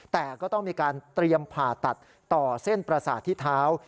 แต่ก็ต้องมีการเตรียมผ่าตัดต่อเส้นประสาทที่เท้า